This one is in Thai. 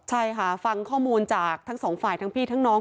ใช่ค่ะฟังข้อมูลจากทั้งสองฝ่ายทั้งพี่ทั้งน้อง